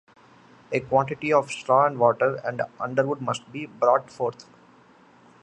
A quantity of straw and water and underwood must be brought forth.